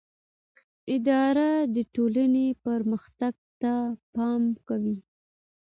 اداره د ټولنې پرمختګ ته پام کوي.